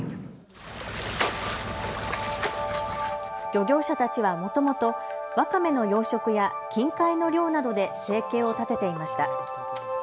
漁業者たちはもともとワカメの養殖や近海の漁などで生計を立てていました。